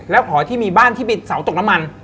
แล้วหอที่มีบ้านที่เป็นเสาตกน้ำมัน